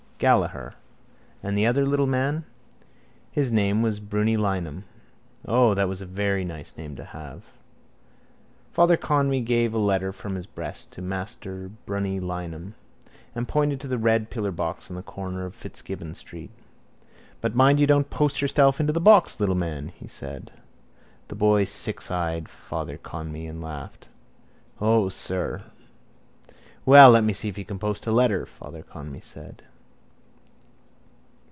Gallaher. And the other little man? His name was Brunny Lynam. O, that was a very nice name to have. Father Conmee gave a letter from his breast to Master Brunny Lynam and pointed to the red pillarbox at the corner of Fitzgibbon street. —But mind you don't post yourself into the box, little man, he said. The boys sixeyed Father Conmee and laughed: —O, sir. —Well, let me see if you can post a letter, Father Conmee said.